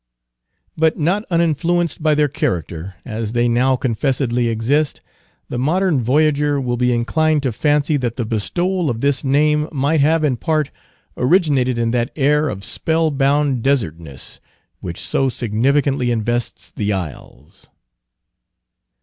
But not uninfluenced by their character, as they now confessedly exist, the modern voyager will be inclined to fancy that the bestowal of this name might have in part originated in that air of spell bound desertness which so significantly invests the isles.